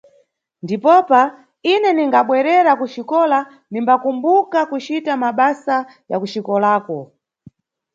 Ndipopa, ine ningabwerera kuxikola, nimbakumbuka kucita mabasa ya kuxikolako.